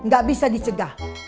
gak bisa dicegah